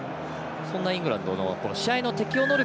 そんなイングランドの適応能力